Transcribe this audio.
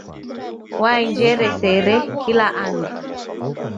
Waenjere sare kila andu.